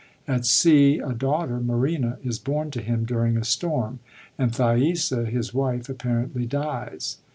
At sea a daught^Br, Marina, is bom to him during a storm ; and Thaisa, his wife, apparently dies.